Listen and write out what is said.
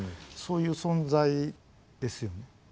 そういう存在ですよね。